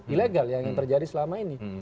ilegal yang terjadi selama ini